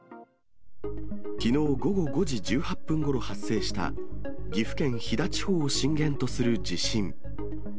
きのう午後５時１８分ごろ発生した岐阜県飛騨地方を震源とする地震。